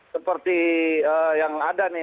seperti yang ada nih